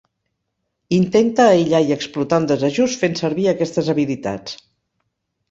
Intenta aïllar i explotar un desajust fent servir aquestes habilitats.